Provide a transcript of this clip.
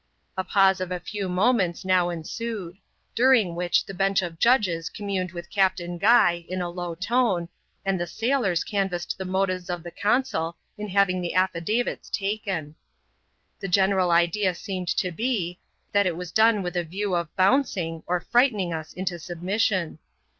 A pause of a few moments now ensued ; during which the ench of judges communed with Captain Guy, in a low tone, ad the saiJora canvassed the motives of the (ioiLW3\m\v'acsYa%^<^ Edarits taken. 142 ADVENTURES IN THE SOUTH SEAS. [cHAP.mvt The general idea seemed to be, that it was done with a view of " bouncing," or frightening us into submission.